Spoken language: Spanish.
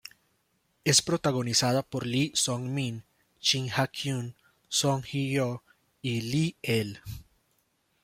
Es protagonizada por Lee Sung-min, Shin Ha-kyun, Song Ji-hyo y Lee El.